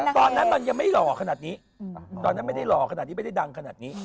ตอนนั้นมันยังไม่หล่อขนาดนี้ตอนนั้นไม่ได้หล่อขนาดนี้ไม่ได้ดังขนาดนี้